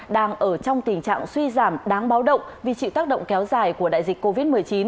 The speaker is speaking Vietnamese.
đang ở trong tình trạng suy giảm đáng báo động vì chịu tác động kéo dài của đại dịch covid một mươi chín